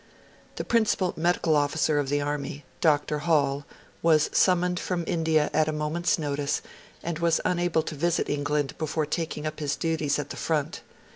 The principal medical officer of the Army, Dr. Hall, was summoned from India at a moment's notice, and was unable to visit England before taking up his duties at the front.